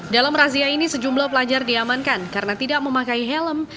dalam razia ini sejumlah pelajar diamankan karena tidak memakai helm